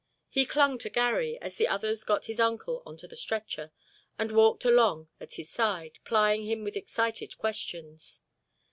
He clung to Garry, as the others got his uncle onto the stretcher, and walked along at his side, plying him with excited questions.